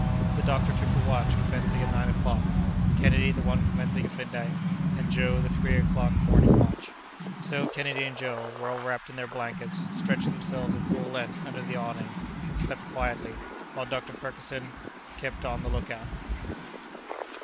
The doctor took the watch commencing at nine o'clock; Kennedy, the one commencing at midnight; and Joe, the three o'clock morning watch. So Kennedy and Joe, well wrapped in their blankets, stretched themselves at full length under the awning, and slept quietly; while Dr. Ferguson kept on the lookout.